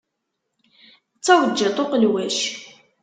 D tawejjiṭ uqelwac.